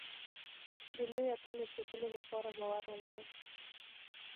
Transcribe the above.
د لوی اتل اوسېدلو لپاره باور ولرئ.